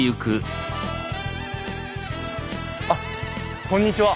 あっこんにちは。